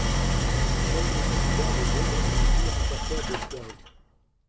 Seuls les candidats des deux grands partis remportèrent des sièges.